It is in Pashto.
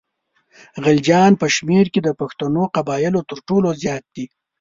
غلجیان په شمېر کې د پښتنو قبایلو تر ټولو زیات دي.